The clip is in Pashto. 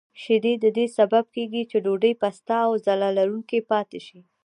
شیدې د دې سبب کېږي چې ډوډۍ پسته او ځلا لرونکې پاتې شي.